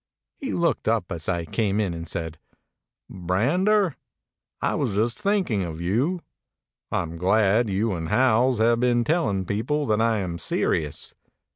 He looked up as I came in and said, " Brander, I was just thinking of you. I'm glad that you and Howells have been telling people that I am serious.